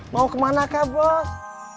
mau kemana ke bos